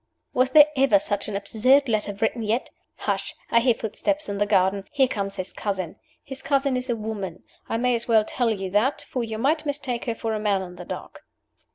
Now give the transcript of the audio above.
Was there ever such an absurd letter written yet? Hush! I hear footsteps in the garden. Here comes his cousin. His cousin is a woman. I may as well tell you that, or you might mistake her for a man in the dark."